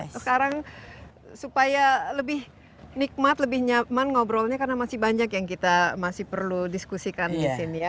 sekarang supaya lebih nikmat lebih nyaman ngobrolnya karena masih banyak yang kita masih perlu diskusikan di sini ya